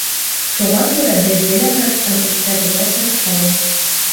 Шуға күрә беҙҙе лә врачтан үткәрергә тырыша ул.